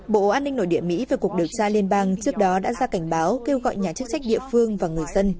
bộ an ninh nội địa mỹ về cuộc điều tra liên bang trước đó đã ra cảnh báo kêu gọi nhà chức trách địa phương và người dân